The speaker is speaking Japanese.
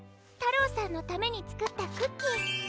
たろうさんのためにつくったクッキー。